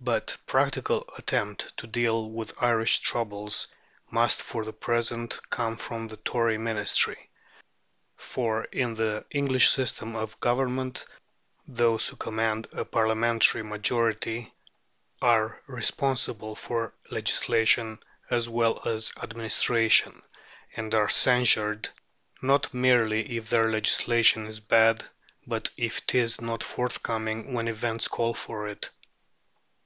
But practical attempt to deal with Irish troubles must for the present come from the Tory Ministry; for in the English system of government those who command a Parliamentary majority are responsible for legislation as well as administration, and are censured not merely if their legislation is bad, but if it is not forthcoming when events call for it.